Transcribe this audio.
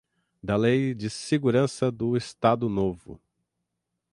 da Lei de Segurança do Estado Novo